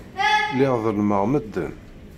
Lliɣ ḍellmeɣ medden.